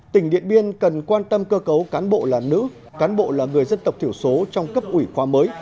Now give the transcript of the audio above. tỉnh điện biên cần quan tâm cơ cấu cán bộ là nữ cán bộ là người dân tộc thiểu số trong cấp ủy khoa mới